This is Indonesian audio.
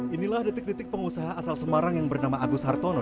inilah detik detik pengusaha asal semarang yang bernama agus hartono